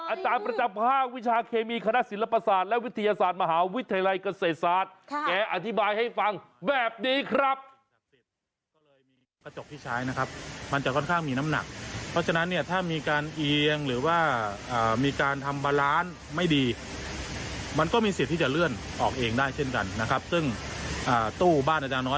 อาจารย์ประจำภาควิชาเคมีคณะศิลปศาสตร์และวิทยาศาสตร์มหาวิทยาลัยเกษตรศาสตร์